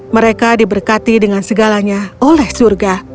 mereka diberkati dengan segalanya oleh surga